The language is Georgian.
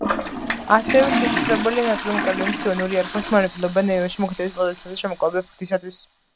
ასევე შესაძლებელია ნატრიუმ-კალიუმის იონური არხების მანიპულირება ნეირონში მოქმედების პოტენციალზე შემაკავებელი ეფექტისათვის.